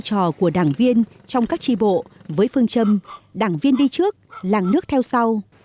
trò của đảng viên trong các tri bộ với phương châm đảng viên đi trước làng nước theo sau